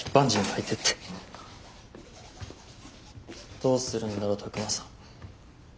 どうするんだろ拓真さん。